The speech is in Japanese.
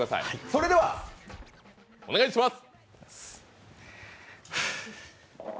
それではお願いします。